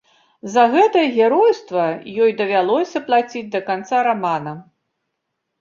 За гэтае геройства ёй давялося плаціць да канца рамана.